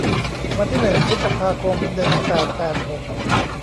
วันที่หนึ่งพฤษภาคม หนึ่งแปดแปดหก